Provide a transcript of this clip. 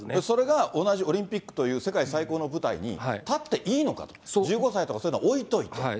それが同じオリンピックという世界最高の舞台に立っていいのかと、１５歳とかそういうのは置いといて。